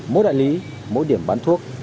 mỗi đại lý mỗi điểm bán thuốc